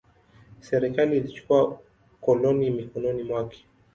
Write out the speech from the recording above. Serikali ilichukua koloni mikononi mwake.